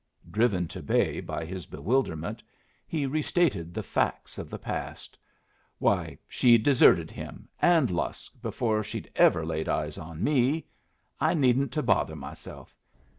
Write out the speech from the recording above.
Driven to bay by his bewilderment, he restated the facts of the past. "Why, she'd deserted him and Lusk before she'd ever laid eyes on me. I needn't to bother myself.